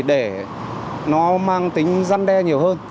để nó mang tính răn đe nhiều hơn